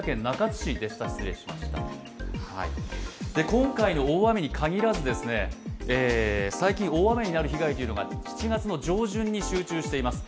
今回の大雨に限らず最近大雨になる被害というのが７月の上旬に集中しています。